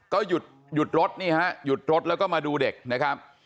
ก็หยุดรถนี่ฮะหยุดรถแล้วก็มาดูเด็กนะครับ